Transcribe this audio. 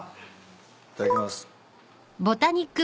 いただきます。